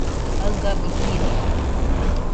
jaɨgabɨ jiro